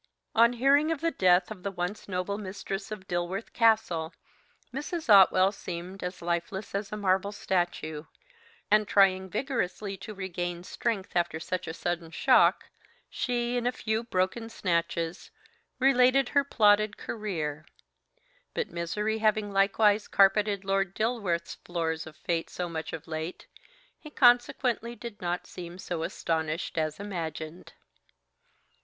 On hearing of the death of the once noble mistress of Dilworth Castle, Mrs. Otwell seemed as lifeless as a marble statue, and trying vigorously to regain strength after such a sudden shock, she, in a few broken snatches, related her plotted career; but misery having likewise carpeted Lord Dilworth's floors of fate so much of late, he consequently did not seem so astonished as imagined.